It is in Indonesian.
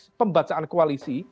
dalam konteks pembacaan koalisi